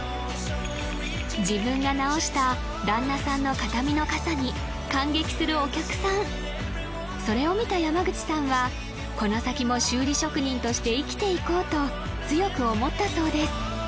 自分が直した旦那さんの形見の傘に感激するお客さんそれを見た山口さんはこの先も修理職人として生きていこうと強く思ったそうです